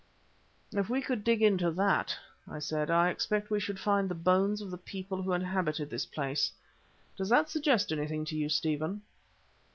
"If we could dig into that," I said, "I expect we should find the bones of the people who inhabited this place. Does that suggest anything to you, Stephen?"